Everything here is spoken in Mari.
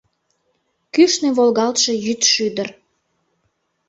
Кӱшнӧ волгалтше йӱд шӱдыр